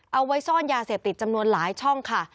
เอาไว้ซ่อนยาเสพติดจำนวนหลายช่องค่ะ